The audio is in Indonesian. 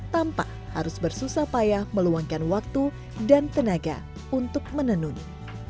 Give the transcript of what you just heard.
tanpa harus bersusah payah meluangkan waktu dan tenaga untuk menenuni